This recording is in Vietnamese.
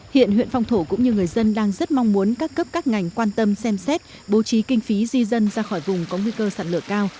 hiện huyện phong thổ cũng như người dân đang rất mong muốn các cấp các ngành quan tâm xem xét bố trí kinh phí di dân ra khỏi vùng có nguy cơ sạt lở cao